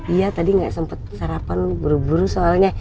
iya tadi gak sempet sarapan buru buru soalnya